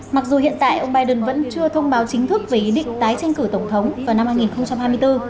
mặc dù hiện tại ông biden vẫn chưa thông báo chính thức về ý định tái tranh cử tổng thống vào năm hai nghìn hai mươi bốn